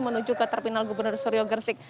menuju ke terminal gubernur suryo gersik